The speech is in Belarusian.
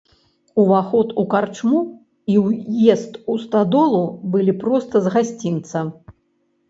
Уваход у карчму і ўезд у стадолу былі проста з гасцінца.